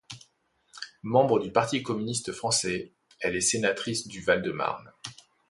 Membre du Parti communiste français, elle est sénatrice du Val-de-Marne.